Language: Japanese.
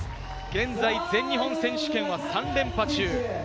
現在、全日本選手権は３連覇中。